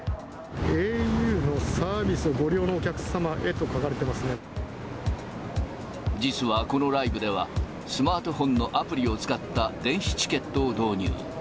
ａｕのサービスをご利用のお実はこのライブでは、スマートフォンのアプリを使った電子チケットを導入。